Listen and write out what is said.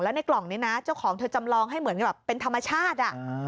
ในกล่องนี้นะเจ้าของเธอจำลองให้เหมือนแบบเป็นธรรมชาติ